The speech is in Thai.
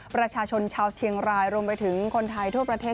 ประชาชนชาวเชียงรายรวมไปถึงคนไทยทั่วประเทศ